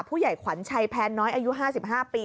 ผู้ใหญ่ขวัญชัยแพนน้อยอายุ๕๕ปี